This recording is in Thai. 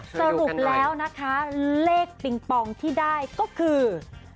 สรุปแล้วนะคะเลขปิงปองที่ได้ก็คือ